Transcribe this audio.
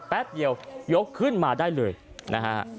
แป๊บเดียวยกขึ้นมาได้เลยนะฮะ